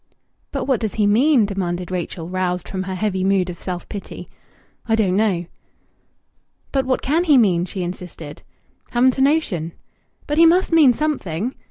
"But what does he mean?" demanded Rachel, roused from her heavy mood of self pity. "I don't know." "But what can he mean?" she insisted. "Haven't a notion." "But he must mean something!"